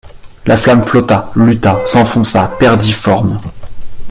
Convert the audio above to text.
La flamme flotta, lutta, s’enfonça, perdit forme.